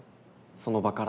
その場から。